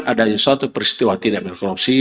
adanya suatu peristiwa tindak binang korupsi